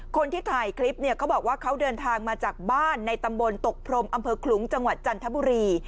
คนที่ถ่ายคลิปเนี่ยเขาบอกว่าเขาเดินทางมาจากบ้านในตำบลตกพรมอำเภอขลุงจังหวัดจันทบุรี